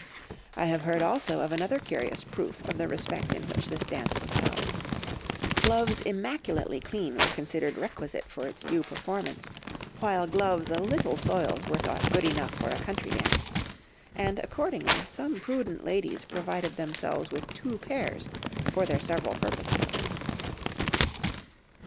I have heard also of another curious proof of the respect in which this dance was held. Gloves immaculately clean were considered requisite for its due performance, while gloves a little soiled were thought good enough for a country dance; and accordingly some prudent ladies provided themselves with two pairs for their several purposes."